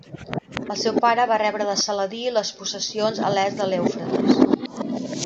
El seu pare va rebre de Saladí les possessions a l'est de l'Eufrates.